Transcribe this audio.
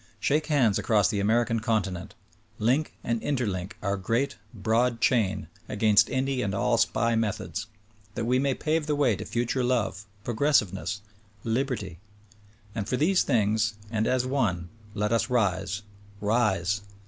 Shake hands across the American continent; link and interlink our great, broad chain against any and all SPY methods ; that we may pave the way to future love, progressiveness — liberty; and for these things and as one, let us rise; rise